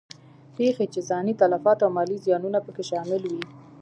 پېښې چې ځاني تلفات او مالي زیانونه په کې شامل وي.